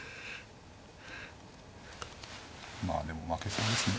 まあでも負けそうですね。